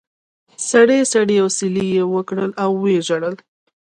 سړې سړې اسوېلې یې وکړې او و یې ژړل.